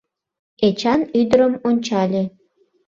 Эчан ӱдырым ончале.